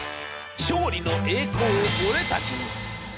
『勝利の栄光を俺たちに！』。